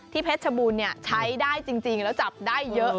เพชรชบูรณ์ใช้ได้จริงแล้วจับได้เยอะ